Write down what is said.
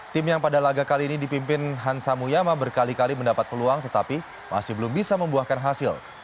tim yang pada laga kali ini dipimpin hansa muyama berkali kali mendapat peluang tetapi masih belum bisa membuahkan hasil